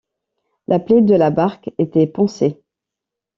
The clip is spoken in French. La plaie de la barque était pansée.